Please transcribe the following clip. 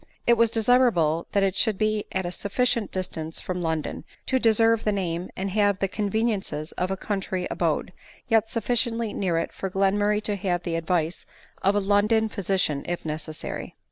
It was desirable that it should be at a sufficient distance from London, to deserve the name and have the conveniences of a country abode, yet sufficiently near it for Glen murray to have the advice of a London physician if necessary.